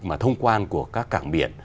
mà thông quan của các cảng biển